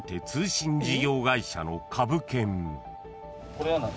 「これは何？